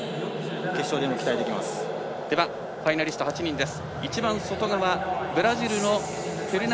決勝でも期待できます。